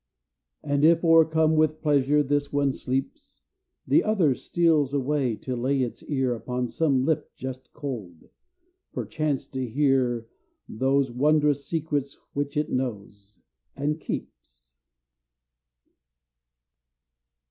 And if o'ercome with pleasure this one sleeps, The other steals away to lay its ear Upon some lip just cold, perchance to hear Those wondrous secrets which it knows and keeps!